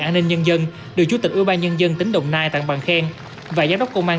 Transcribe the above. an ninh nhân dân được chủ tịch ủy ban nhân dân tỉnh đồng nai tặng bàn khen và giám đốc công an